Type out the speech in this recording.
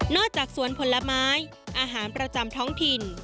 จากสวนผลไม้อาหารประจำท้องถิ่น